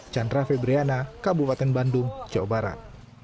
chandra febriana kabupaten bandung jawa barat